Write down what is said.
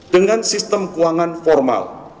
dengan sistem keuangan formal